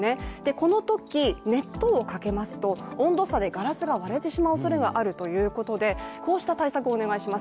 このとき、熱湯をかけますと、温度差でガラスが割れてしまうおそれがあるということでこうした対策をお願いします。